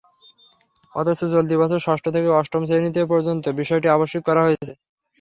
অথচ চলতি বছর ষষ্ঠ থেকে অষ্টম শ্রেণী পর্যন্ত বিষয়টি আবশ্যিক করা হয়েছে।